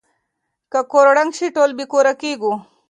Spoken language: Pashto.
که کور ړنګ شي ټول بې کوره کيږو.